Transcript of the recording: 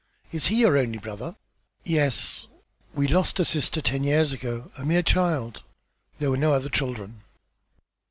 Is he your only brother?" "Yes. We lost a sister ten years ago, a mere child. There were no other children."